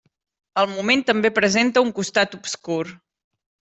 El moment també presenta un costat obscur.